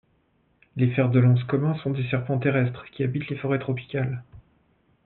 Les Fer de lance commun sont des serpents terrestres qui habitent les forêts tropicales.